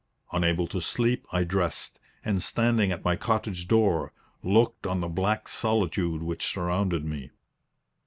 Unable to sleep, I dressed, and standing at my cottage door, looked on the black solitude which surrounded me.